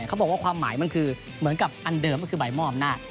เขาบอกว่าความหมายมันคือเหมือนกับอันเดิมก็คือใบมอบอำนาจ